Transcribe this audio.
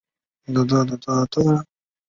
红军乘机迅速展开反攻。